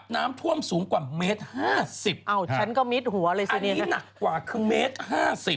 น้ำท่วมสูงกว่าเมตรห้าสิบอ้าวฉันก็มิดหัวเลยซะเนี่ยนะอันนี้หนักกว่าครึ่งเมตรห้าสิบ